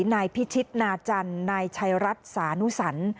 นายพิชิตนาจันทร์นายชัยรัฐสานุสัน